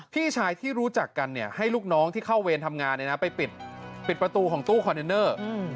พี่ชายที่รู้จักกันให้ลูกน้องที่เข้าเวรทำงานไปปิดประตูของตู้คอนเทนเนอร์